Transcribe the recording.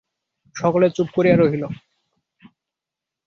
সকলে চুপ করিয়া রহিল।